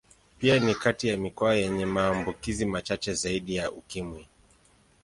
Pia ni kati ya mikoa yenye maambukizi machache zaidi ya Ukimwi.